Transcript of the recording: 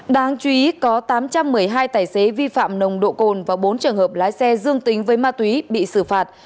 đáng chú ý có tám trăm một mươi hai tài xế vi phạm nồng độ cồn và bốn trường hợp lái xe dương tính với ma túy bị xử phạt